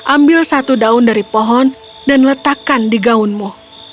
ambil satu daun dari pohon dan letakkan di gaunmu